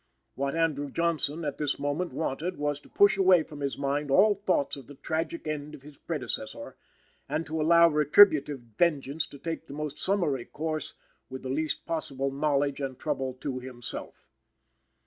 What Andrew Johnson, at this moment, wanted was to push away from his mind all thoughts of the tragic end of his predecessor, and to allow retributive vengeance to take the most summary course with the least possible knowledge and trouble to himself.